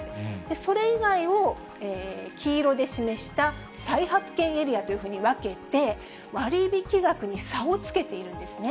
それ以外を黄色で示した再発見エリアというふうに分けて、割り引き額に差をつけているんですね。